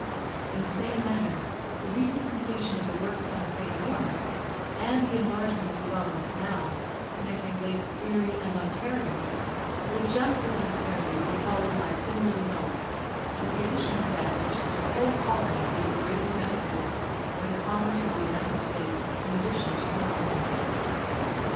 In the same manner, the recent completion of the works on the St. Lawrence, and the enlargement of the Welland Canal, connecting Lakes Erie and Ontario, will just as necessarily be followed by similar results, with the additional advantage of the whole colony being greatly benefitted by the commerce of the United States, in addition to her own.